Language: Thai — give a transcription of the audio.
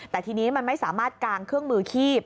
แต่ทีนี้มันไม่สามารถกางเครื่องมือคีบ